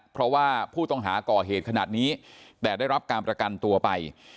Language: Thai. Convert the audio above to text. เพราะว่าผู้ต้องหาก่อเหตุขนาดนี้แต่ได้รับการประกันตัวไป